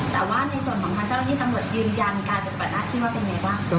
แต่ว่าในส่วนของท่านเจ้าที่ตำรวจยืนยันการกระทำที่ว่าเป็นไงบ้าง